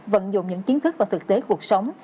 vận dụng những kiến thức và thực tế cuộc sống